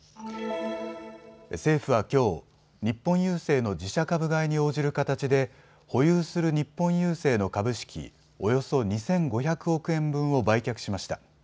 政府はきょう日本郵政の自社株買いに応じる形で保有する日本郵政の株式、およそ２５００億円分を売却しました。